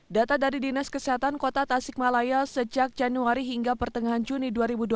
data dari dinas kesehatan kota tasikmalaya sejak januari hingga pertengahan juni dua ribu dua puluh